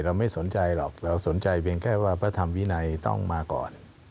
เราไม่สนใจหรอกเราสนใจเพียงแค่ว่าพระธรรมวินัยต้องมาก่อน